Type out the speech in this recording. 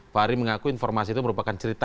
fahri mengaku informasi itu merupakan cerita